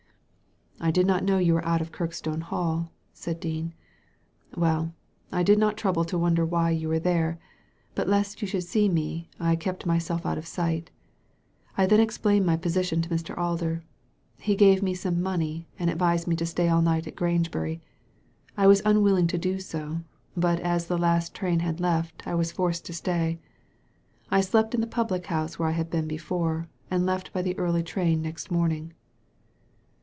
" I did not know you were out of Kirkstone Hall," said Dean. "Well, I did not trouble to wonder why you were there ; but lest you should see me I kept myself out of sight I then explained my position to Mr. Alder. He gave me some money, and advised me to stay all night at Grangebury. I was unwilling to do so, but as the last train had left I was forced to stay. I slept in the public house where I had been before, and left by the early train next morning."